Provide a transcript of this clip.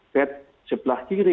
bet sebelah kiri